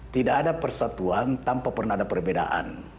tidak ada persatuan tanpa pernah ada perbedaan